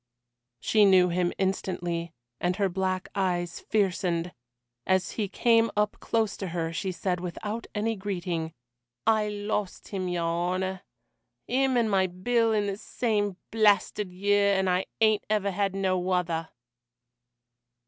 She knew him instantly, and her black eyes fiercened; as he came up close to her she said without any greeting: "I lost him, your honour him and my Bill in the same blasted year, and I ain't never had no other."